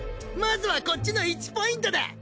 まずはこっちの１ポイントだ！